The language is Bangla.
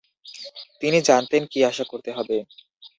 তিনি জানতেন কী আশা করতে হবে।